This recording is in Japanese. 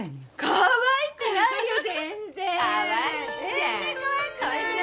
かわいくないか？